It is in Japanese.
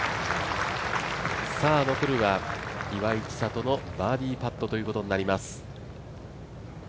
さあ、残るは岩井千怜のバーディーパットとなります。